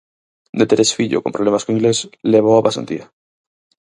De teres fillo con problemas co inglés, lévao á pasantía